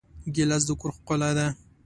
ګیلاس د کور ښکلا ده.